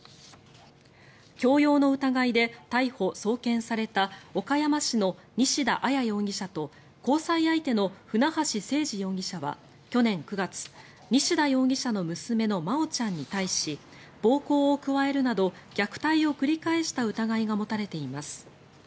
強要の疑いで逮捕・送検された岡山市の西田彩容疑者と交際相手の船橋誠二容疑者は去年９月、西田容疑者の娘の真愛ちゃんに対し暴行を加えるなど虐待を繰り返した疑いが持たれています。